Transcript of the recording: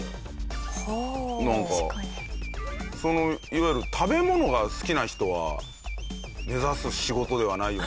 いわゆる食べ物が好きな人は目指す仕事ではないような気がしますよね